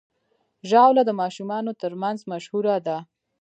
ژاوله د ماشومانو ترمنځ مشهوره ده.